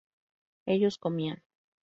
ellos comían